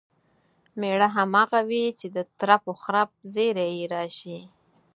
مېړه همغه وي چې د ترپ و خرپ زیري یې راشي.